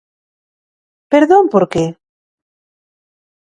Perdón por que?